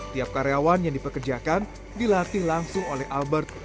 tiap karyawan yang dipekerjakan dilatih langsung oleh albert